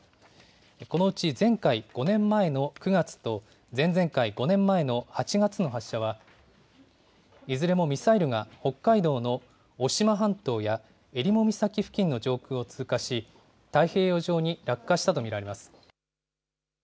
このうち前回５年前の９月と、前々回５年前の８月の発射は、いずれもミサイルが北海道の渡島半島や襟裳岬付近の上空を通過し、太平洋上に落下したと見られます。